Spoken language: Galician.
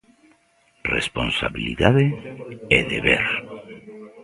Responsabilidade e deber.